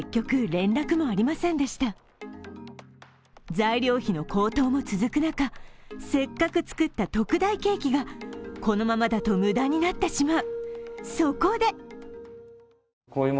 材料費の高騰も続く中せっかく作った特大ケーキがこのままだと無駄になってしまう。